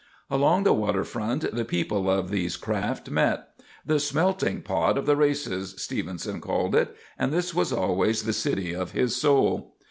Along the waterfront the people of these craft met. "The smelting pot of the races," Stevenson called it; and this was always the city of his soul.